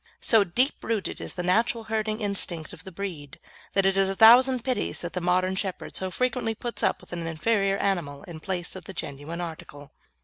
So deep rooted is the natural herding instinct of the breed that it is a thousand pities that the modern shepherd so frequently puts up with an inferior animal in place of the genuine article.